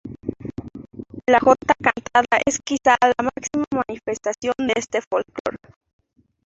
La jota cantada es quizá la máxima manifestación de este folclore.